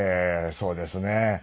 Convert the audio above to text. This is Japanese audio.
そうですね。